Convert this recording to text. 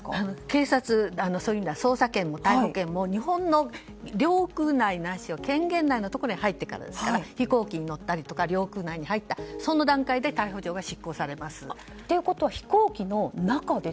警察、捜査権も逮捕権も日本の領空内ないし権限内のところに入ってからですから飛行機に乗ったりとか領空内に入ったその段階で逮捕状がということは飛行機の中で？